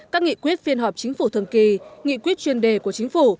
các nghị quyết phiên họp chính phủ thường kỳ nghị quyết chuyên đề của chính phủ